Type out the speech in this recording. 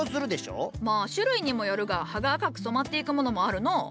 まあ種類にもよるが葉が赤く染まっていくものもあるのう。